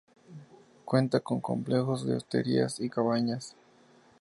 Cuenta con complejos de hosterías y cabañas.